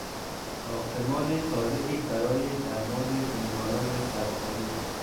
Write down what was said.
ساختمان تازهای برای درمان بیماران سرپایی